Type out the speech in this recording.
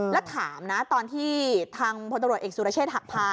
แล้วถามนะตอนที่ทางพเราทศเอกซูรเชษฐ์หักพาน